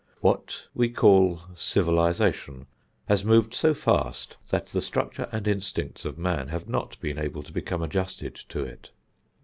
What we call civilization has moved so fast that the structure and instincts of man have not been able to become adjusted to it.